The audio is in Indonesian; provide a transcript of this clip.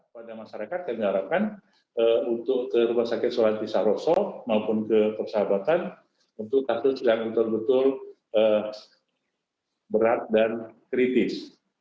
pada masyarakat yang diharapkan untuk ke rumah sakit shalat nisa rosso maupun ke persahabatan untuk kasus yang betul betul berat dan kritis